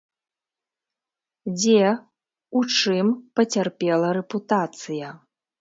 Дзе, у чым пацярпела рэпутацыя?